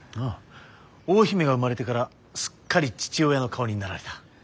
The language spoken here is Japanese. ああ大姫が生まれてからすっかり父親の顔になられた。